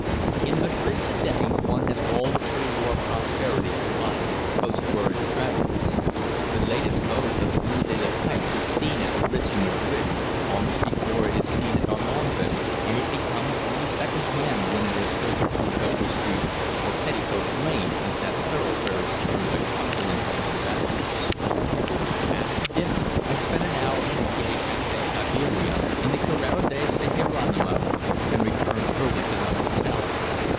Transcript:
In Madrid to day one has all the pre war prosperity combined with post war extravagance. The latest mode of the Rue de la Paix is seen at the Ritz in Madrid almost before it is seen at Armenonville, and it becomes only second hand when it has filtered through Dover Street or "Petticoat Lane," as that thoroughfare is termed by truculent London bachelors. After dinner I spent an hour at the gay Café Iberia, in the Carrera de San Jeronimo, and returned early to the hotel.